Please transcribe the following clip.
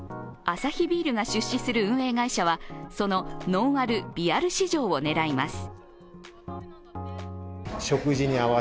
アサヒビールが出資する運営会社はそのノンアル・微アル市場を狙います。